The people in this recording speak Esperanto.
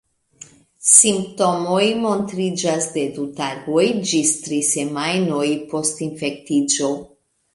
Simptomoj montriĝas de du tagoj ĝis tri semajnoj post infektiĝo.